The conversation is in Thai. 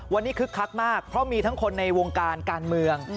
วันนี้คึกคักมากเพราะมีทั้งคนในวงการการเมือง